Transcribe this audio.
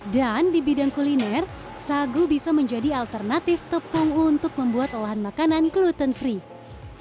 dan di bidang kuliner sagu bisa menjadi alternatif tepung untuk membuat olahan makanan gluten free